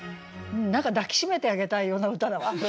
何か抱き締めてあげたいような歌だわ。